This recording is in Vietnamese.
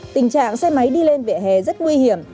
tình trạng xe máy đi lên vỉa hè rất nguy hiểm